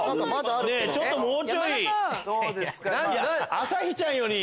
朝日ちゃんより。